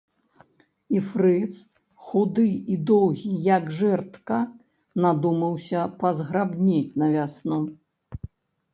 І фрыц, худы і доўгі, як жэрдка, надумаўся пазграбнець на вясну.